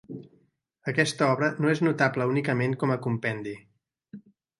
Aquesta obra no és notable únicament com a compendi.